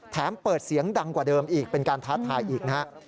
เปิดเสียงดังกว่าเดิมอีกเป็นการท้าทายอีกนะฮะ